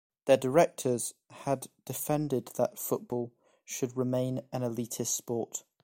Their directors had defended that football should remain an elitist sport.